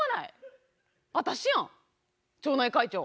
私やん町内会長。